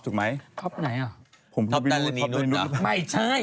คัชกังต์มา